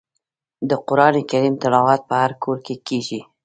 د قران کریم تلاوت په هر کور کې کیږي.